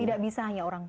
tidak bisa hanya orang tua